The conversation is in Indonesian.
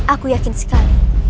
aku yakin sekali